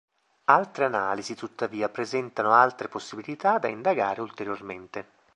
Altre analisi tuttavia presentano altre possibilità da indagare ulteriormente.